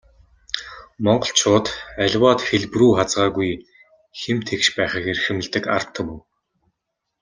Монголчууд аливаад хэлбэрүү хазгайгүй, хэм тэгш байхыг эрхэмлэдэг ард түмэн.